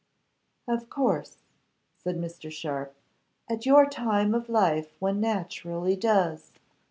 'Of course,' said Mr. Sharpe, 'at your time of life one naturally does.